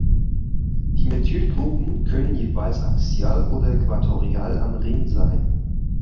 Die Methylgruppen können jeweils axial oder äquatorial am Ring sein.